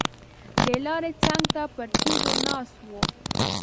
د لارې څنګ ته پر تیږو ناست وو.